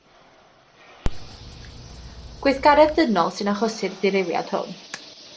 Gweithgaredd dynol sy'n achosi'r dirywiad hwn.